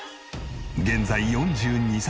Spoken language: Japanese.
現在４２歳。